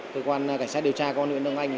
tư quan cảnh sát điều tra của huyện đông anh